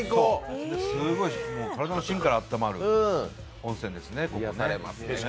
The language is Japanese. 体の芯から温まる温泉ですね。